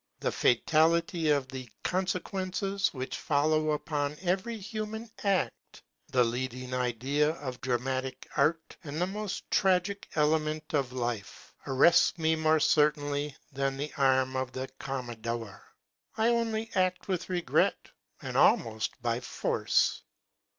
The fatality of the con sequences which follow upon every human act, —the leading idea of dramatic art and the most tragic element of life, —arrests me more certainly than the arm of the Commandeur. I only act with regret, and almost by force.